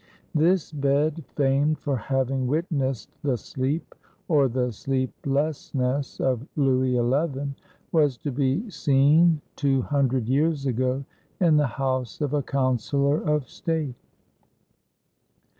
This bed, famed for having witnessed the sleep or the sleeplessness of Louis XI, was to be seen two hundred years ago in the house of a councilor of state.